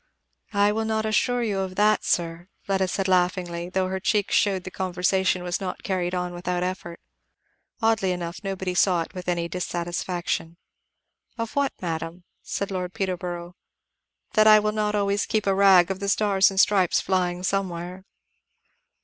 "I will not assure you of that, sir," Fleda said laughingly, though her cheeks showed the conversation was not carried on without effort. Oddly enough nobody saw it with any dissatisfaction. "Of what, madam?" said Lord Peterborough. "That I will not always keep a rag of the stars and stripes flying somewhere."